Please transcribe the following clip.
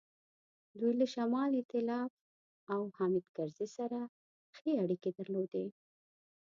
دوی له شمال ایتلاف او حامد کرزي سره ښې اړیکې درلودې.